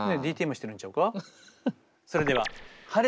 ＤＴＭしてるんちゃうか？